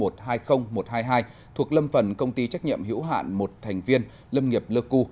thuộc lâm phần công ty trách nhiệm hiểu hạn một thành viên lâm nghiệp lơ cư